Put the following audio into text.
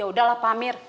ya udah lah pak amir